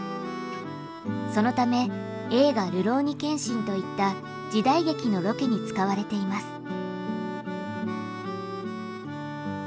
そのため映画「るろうに剣心」といった時代劇のロケに使われています。